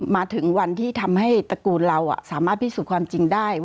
มาถึงวันที่ทำให้ตระกูลเราสามารถพิสูจน์ความจริงได้